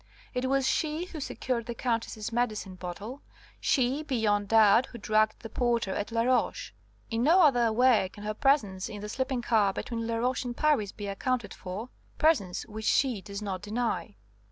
It was she who secured the Countess's medicine bottle; she, beyond doubt, who drugged the porter at Laroche. In no other way can her presence in the sleeping car between Laroche and Paris be accounted for presence which she does not deny.)